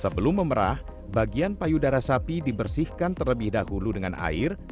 sebelum memerah bagian payudara sapi dibersihkan terlebih dahulu dengan air